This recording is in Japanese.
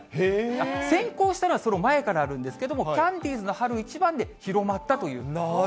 先行したのはその前からあるんですけど、キャンディーズの春一番で広まったという。